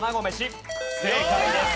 正解です。